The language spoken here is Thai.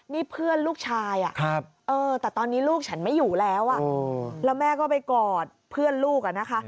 นี่เพื่อนลูกชายแต่ตอนนี้ลูกฉันไม่อยู่แล้วแล้วแม่ก็ไปกอดเพื่อนลูกอะนะคะ